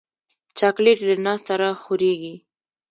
چاکلېټ له ناز سره خورېږي.